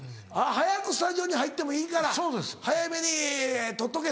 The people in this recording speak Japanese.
早くスタジオに入ってもいいから早めに取っとけと。